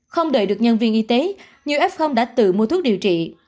không đợi được nhân viên y tế nhiều f đã tự mua thuốc điều trị